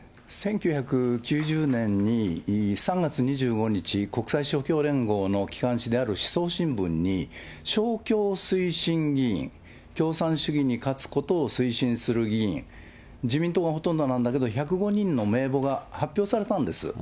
１９９０年に、３月２５日、国際勝共連合の機関紙である思想新聞に勝共推進議員、共産主義に勝つことを推進する議員、自民党がほとんどなんだけど、１０５人の名簿が発表されたんです。